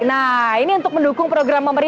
nah ini untuk mendukung program membangun sepeda